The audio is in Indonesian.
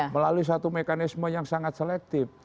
melalui satu mekanisme yang sangat selektif